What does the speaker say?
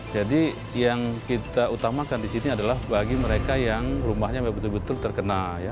jadi yang kita utamakan di sini adalah bagi mereka yang rumahnya betul betul terkenal